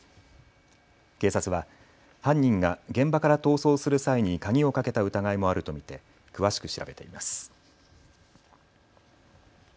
警察は犯人が現場から逃走する際に鍵をかけた疑いもあると見て詳しく調べています。